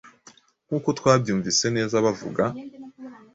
Nkuko twabyumvise neza bavuga